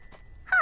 あ。